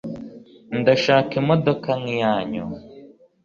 ndashaka imodoka nkiyanyu